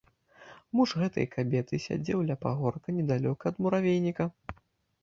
Муж гэтай кабеты сядзеў ля пагорка недалёка ад муравейніка.